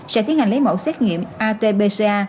sẽ tiến hành lấy mẫu xét nghiệm rt pca